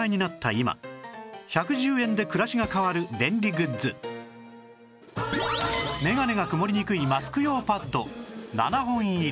今１１０円で暮らしが変わる便利グッズメガネが曇りにくいマスク用パッド７本入り